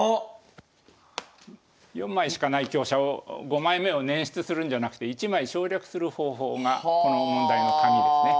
４枚しかない香車を５枚目を捻出するんじゃなくて１枚省略する方法がこの問題の鍵ですね。